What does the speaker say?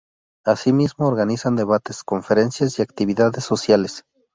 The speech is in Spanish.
Asimismo organizan debates, conferencias y actividades sociales.